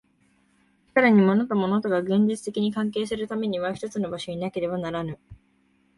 しかるに物と物とが現実的に関係するためには一つの場所になければならぬ。